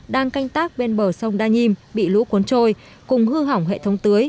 đang canh tác bên bờ sông đa nhiêm bị lũ cuốn trôi cùng hư hỏng hệ thống tưới